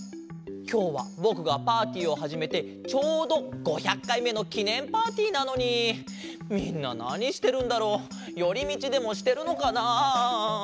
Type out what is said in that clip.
きょうはぼくがパーティーをはじめてちょうど５００かいめのきねんパーティーなのにみんななにしてるんだろう？よりみちでもしてるのかな？